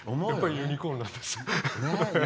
ユニコーンなんですかね。